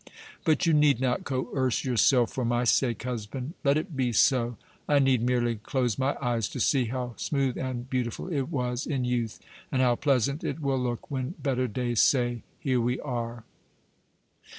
But you need not coerce yourself for my sake, husband. Let it be so. I need merely close my eyes to see how smooth and beautiful it was in youth, and how pleasant it will look when better days say, 'Here we are!'"